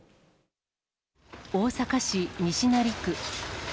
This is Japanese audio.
大阪市西成区。